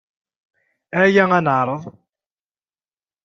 Aya ad neɛreḍ!